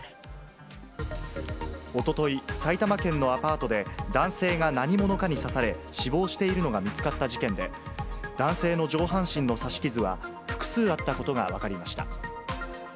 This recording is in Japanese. おととい、埼玉県のアパートで、男性が何者かに刺され、死亡しているのが見つかった事件で、男性の上半身の刺し傷は複数あったことが分かりました。